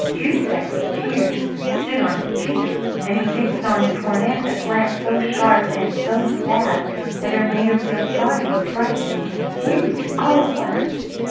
Two specks of tears stood on his cheeks and he fixed on Toinette a glance so sharp and so sad that it made her feel sorry and frightened and confused all at once.